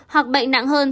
hoặc bệnh nặng hơn